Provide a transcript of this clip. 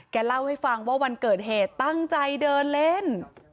เล่าให้ฟังว่าวันเกิดเหตุตั้งใจเดินเล่น